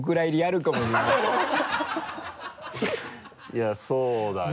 いやそうだね。